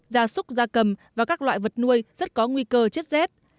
gia súc gia cầm và các loại vật nuôi rất có nguy cơ chết rét